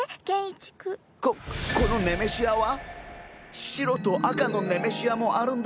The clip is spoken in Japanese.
ここのネメシアは白と赤のネメシアもあるんだ！